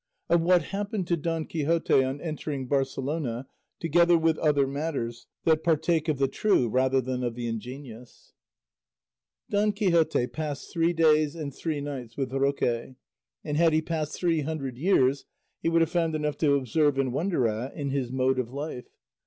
OF WHAT HAPPENED DON QUIXOTE ON ENTERING BARCELONA, TOGETHER WITH OTHER MATTERS THAT PARTAKE OF THE TRUE RATHER THAN OF THE INGENIOUS Don Quixote passed three days and three nights with Roque, and had he passed three hundred years he would have found enough to observe and wonder at in his mode of life.